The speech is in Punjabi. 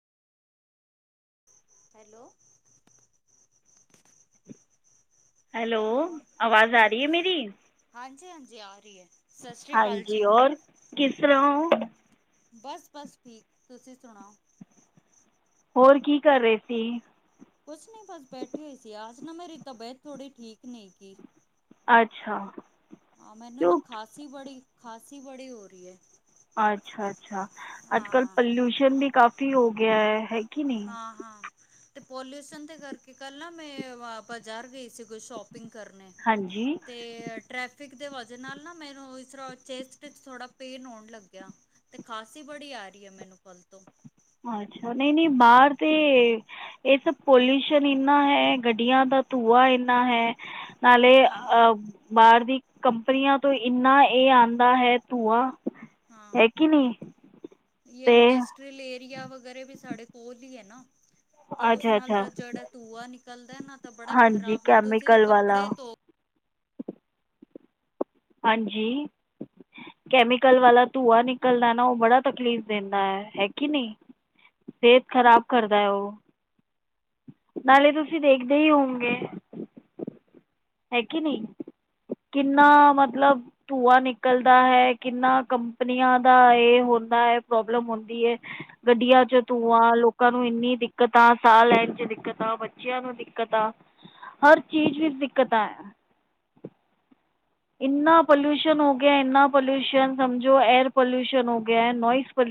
ਹੈਲੋ। ਹੈਲੋ, ਆਵਾਜ਼ ਆ ਰਹੀ ਏ ਮੇਰੀ? ਹਾਂਜੀ-ਹਾਂਜੀ ਆ ਰਹੀ ਏ। ਹਾਂਜੀ, ਹੋਰ ਕਿਸ ਤਰਾਂ ਹੋ? ਬਸ-ਬਸ ਠੀਕ, ਤੁਸੀਂ ਸੁਣਾਓ। ਹੋਰ, ਕੀ ਕਰ ਰਹੇ ਸੀ। ਕੁਛ ਨ ਬਸ ਬੈਠੀ ਹੋਈ ਸੀ। ਆਜ ਨਾ ਮੇਰੀ ਤਬੀਅਤ ਥੋੜ੍ਹੀ ਠੀਕ ਨਹੀਂ ਕੀ। ਅੱਛਾ। ਹਾਂ ਮੈਨੂੰ ਨਾ ਖਾਸੀ ਬੜੀ ਖਾਸੀ ਬੜੀ ਹੋ ਰਹੀ ਹੈ। ਅੱਛਾ-ਅੱਛਾ ਅੱਜ-ਕੱਲ੍ਹ, ਹਾਂ ਪਲਊਸ਼ਨ ਵੀ ਕਾਫੀ ਹੋ ਗਿਆ ਹੈ। ਹਾਂ-ਹਾਂ। ਤੇ ਪੋਲਿਊਸ਼ਨ ਦੇ ਕਰਕੇ ਕੱਲ ਨਾ ਮੈਂ ਬਾਜ਼ਾਰ ਗਈ ਸੀ ਕੋਈ ਸ਼ੋਪਿੰਗ ਕਰਨੇ ਹਾਂਜੀ। ਤੇ ਟ੍ਰੈਫਿਕ ਦੇ ਵਜਾ ਨਾਲ ਨਾ ਮੈਨੂੰ ਇਸ ਰਾ ਚੇਸਟ ਇਚ ਥੋੜਾ ਪੇਨ ਹੋਣ ਲੱਗਿਆ ਤੇ ਖਾਸੀ ਬੜੀ ਆ ਰਹੀ ਹੈ ਮੈਨੂੰ ਕਲ ਤੋਂ। ਅੱਛਾ ਨਹੀਂ-ਨਹੀਂ ਬਾਹਰ ਤੇ ਇਹ ਤਾ ਪੋਲਿਊਸ਼ਨ ਇੰਨਾ ਹੈ ਗੱਡੀਆਂ ਦਾ ਧੂੰਆ ਇੰਨਾ ਹੈ ਨਾਲੇ ਹਾਂ ਹਾਂ ਅਹ ਬਾਹਰ ਦੀ ਕੰਪਨੀਆਂ ਤੋਂ ਇੰਨਾ ਇਹ ਆਂਦਾ ਹੈ ਧੂੰਆ ਹਾਂ ਹੈ ਕਿ ਨੀ ਤੇ ਟਰੀਲੇਰੀਆ ਵਗੈਰਾ ਵੀ ਸਾਡੇ ਕੋਲ ਈ ਏ ਨਾ ਤ ਉਸ ਅੱਛਾ ਨਾਲ ਅੱਛਾ ਤਾਂ ਜਿਹੜਾ ਧੂਆ ਨਿਕਲਦਾ ਨਾ ਤਾਂ ਬੜਾ ਹਾਂਜੀ ਖ਼ਰਾਬ ਏ ਤੁਸੀਂ ਕੈਮੀਕਲ ਵਾਲਾ ਕੱਪੜੇ ਧੋ ਹਾਂਜੀ। ਕੈਮੀਕਲ ਵਾਲਾ ਧੂੰਆ ਨਿਕਲਦਾ ਨਾ ਉਹ ਬੜਾ ਤਕਲੀਫ਼ ਦੇਂਦਾ ਹੈ ਕਿ ਨਹੀਂ ਸੇਹਤ ਖ਼ਰਾਬ ਕਰਦਾ ਉਹ। ਨਾਲੇ ਤੁਸੀਂ ਦੇਖਦੇ ਹੀ ਹੋਓਗੇ। ਹੈ ਕਿ ਨਹੀਂ ਕਿੰਨਾ ਮਤਲਬ ਧੂੰਆ ਨਿਕਲਦਾ ਹੈ ਕਿੰਨਾ ਕੰਪਨੀਆਂ ਦਾ ਇਹ ਹੋਂਦਾ ਹੈ ਪ੍ਰੋਬਲਮ ਹੁੰਦੀ ਹੈ। ਗੱਡੀਆਂ ਚ ਧੂੰਆਂ ਲੋਕਾਂ ਨੂੰ ਇੰਨੀ ਦਿੱਕਤਾਂ ਸਾਹ ਲੈਣ ਚ ਦਿੱਕਤਾਂ ਬੱਚਿਆਂ ਨੂੰ ਦਿੱਕਤਾਂ ਹਰ ਚੀਜ਼ ਵਿੱਚ ਦਿੱਕਤਾ ਹੈ। ਇੰਨਾ ਪੋਲਊਸ਼ਨ ਹੋ ਗਿਆ ਇੰਨਾ ਪੋਲਿਊਸ਼ਨ ਸਮਝੋ ਏਅਰ ਪੋਲੂਸ਼ਨ ਹੋ ਗਿਆ ਨੋਇਜ਼ ਪੋਲ